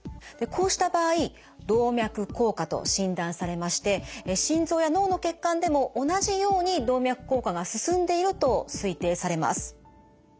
でこうした場合動脈硬化と診断されまして心臓や脳の血管でも同じように動脈硬化が進んでいると推定されます。